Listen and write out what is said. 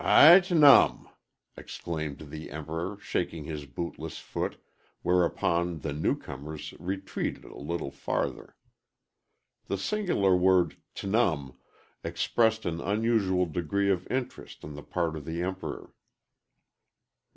"I tnum!" exclaimed the Emperor, shaking his bootless foot, whereupon the new comers retreated a little farther. The singular word "tnum" expressed an unusual degree of interest on the part of the Emperor.